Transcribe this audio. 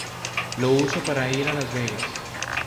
Lo uso para ir a Las Vegas.